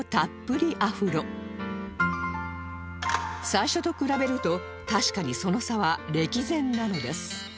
最初と比べると確かにその差は歴然なのです